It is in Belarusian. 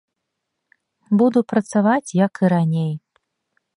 Буду працаваць, як і раней.